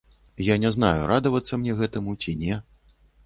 Я не знаю, радавацца мне гэтаму ці не.